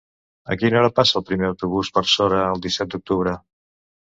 A quina hora passa el primer autobús per Sora el disset d'octubre?